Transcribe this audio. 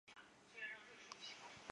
他从伊露维塔之中得知众生的结局。